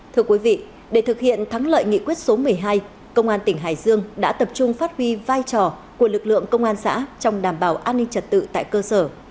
trong tháng lợi nghị quyết số một mươi hai công an tỉnh hải dương đã tập trung phát huy vai trò của lực lượng công an xã trong đảm bảo an ninh trật tự tại cơ sở